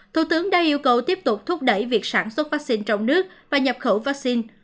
thủ tướng đã yêu cầu tiếp tục thúc đẩy việc sản xuất vaccine trong nước và nhập khẩu vaccine